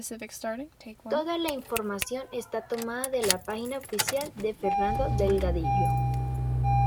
Toda la información está tomada de la página oficial de Fernando Delgadillo.